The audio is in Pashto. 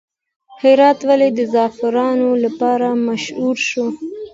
هرات ولې د زعفرانو لپاره مشهور شو؟